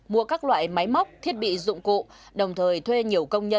mua các loại máy móc thiết bị dụng cụ đồng thời thuê nhiều công nhân